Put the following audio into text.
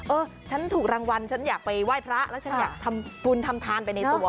เออฉันถูกรางวัลฉันอยากไปไหว้พระแล้วฉันอยากทำบุญทำทานไปในตัว